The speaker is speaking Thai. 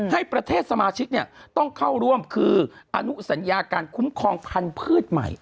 ให้ประเทศสมาชิกต้องเข้าร่วมคืออนุสัญญาการคุ้มครองพันธุ์พืชใหม่